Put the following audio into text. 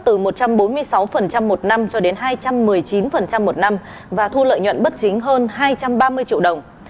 từ một trăm bốn mươi sáu một năm cho đến hai trăm một mươi chín một năm và thu lợi nhuận bất chính hơn hai trăm ba mươi triệu đồng